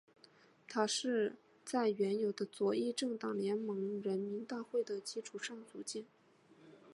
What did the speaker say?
它是在原有的左翼政党联盟人民大会的基础上组建。